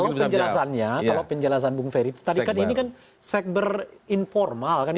kalau penjelasannya kalau penjelasan bung ferry tadi kan ini kan sekber informal kan